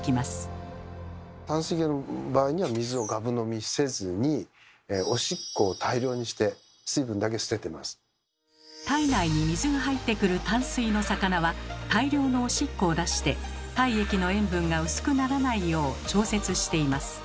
淡水魚の場合には体内に水が入ってくる淡水の魚は大量のおしっこを出して体液の塩分が薄くならないよう調節しています。